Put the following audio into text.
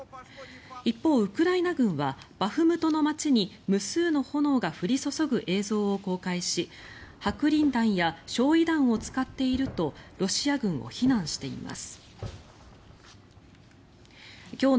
一方、ウクライナ軍はバフムトの街に無数の炎が降り注ぐ映像を公開し白リン弾や焼い弾を使っているとロシア軍を非難しています。